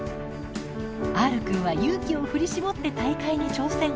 Ｒくんは勇気を振り絞って大会に挑戦。